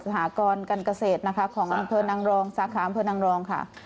สหกรรมการเกษตรของสาขาอำเภอนังรองค่ะ